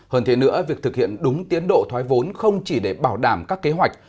hơn thế nữa việc thực hiện đúng tiến độ thoái vốn không chỉ để bảo đảm các kế hoạch